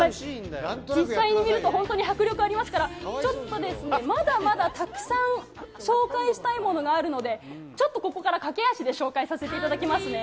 実際に見ると本当に迫力ありますから、ちょっとですね、まだまだたくさん紹介したいものがあるので、ちょっとここから駆け足で紹介させていただきますね。